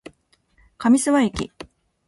上諏訪駅